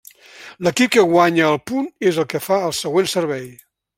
L'equip que guanya el punt és el que fa el següent servei.